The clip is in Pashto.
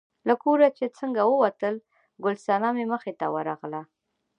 له کوره چې څنګه ووتل، ګل صنمې مخې ته ورغله.